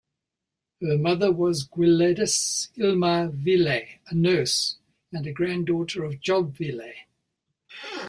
Her mother was Gwladys Ilma Vile, a nurse, and a granddaughter of Job Vile.